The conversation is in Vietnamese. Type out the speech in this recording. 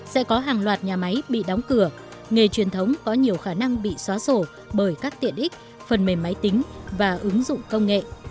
sẽ có hàng loạt nhà máy bị đóng cửa nghề truyền thống có nhiều khả năng bị xóa sổ bởi các tiện ích phần mềm máy tính và ứng dụng công nghệ